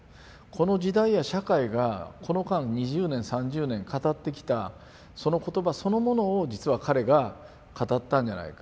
この時代や社会がこの間２０年３０年語ってきたその言葉そのものを実は彼が語ったんじゃないか。